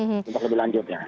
untuk lebih lanjut ya